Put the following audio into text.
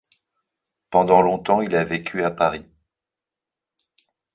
Pendant longtemps il a vécu à Paris.